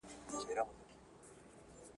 پښتو ژبه زموږ د ملي یووالي او اتحاد روح دی